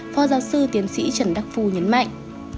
phó giáo sư tiến sĩ trần đắc phu nhấn mạnh